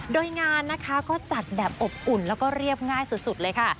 โดยงานนะคะก็จัดแบบอบอุ่นแล้วก็เรียบง่ายสุดเลยค่ะ